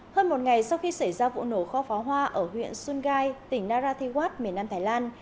hơn một ngày sau khi xảy ra vụ nổ kho phó hoa ở huyện sungai tỉnh narathiwat miền nam thái lan